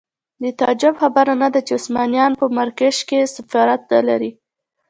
د تعجب خبره نه ده چې عثمانیان په مراکش کې سفارت نه لري.